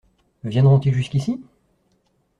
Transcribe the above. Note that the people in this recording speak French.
Viendront-ils jusqu’ici ?